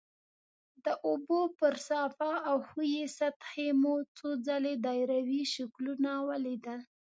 د اوبو پر صافه او ښویې سطحې مو څو ځلې دایروي شکلونه ولیدل.